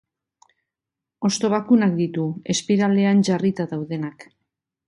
Hosto bakunak ditu, espiralean jarrita daudenak.